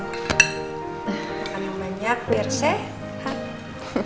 makan yang banyak biar sehat